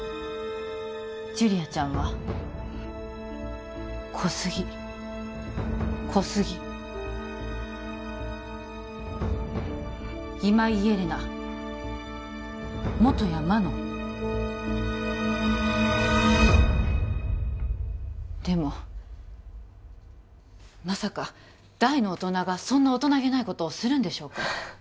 ジュリアちゃんは小杉小杉今井エレナ本谷マノンでもまさか大の大人がそんな大人げないことをするんでしょうか？